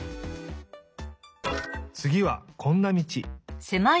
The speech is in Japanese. つぎはこんな道。